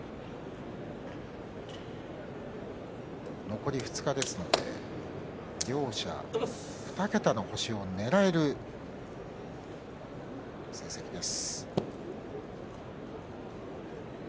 残り２日ですので両者２桁の星をねらえる成績です。